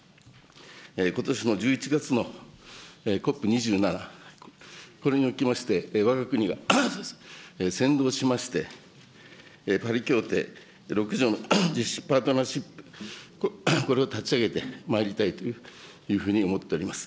ことしの１１月のＣＯＰ２７、これにおきまして、わが国が先導しまして、パリ協定６条のパートナーシップ、これを立ち上げてまいりたいというふうに思っております。